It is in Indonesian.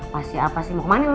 apa sih apa sih mau ke mana lo